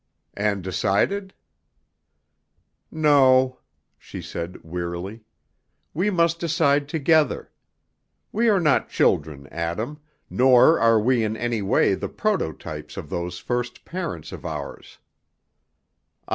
"And decided?" "No," she said wearily; "we must decide together. We are not children, Adam, nor are we in any way the prototypes of those first parents of ours.